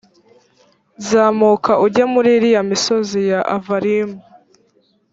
zamuka ujye muri iriya misozi ya avarimu.